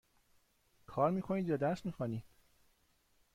کار می کنید یا درس می خوانید؟